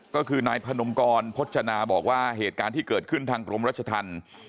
ก็คือนายพนมกรพจนาบอกว่าเหตุการณ์ที่เกิดขึ้นทางกรมรัชธรรม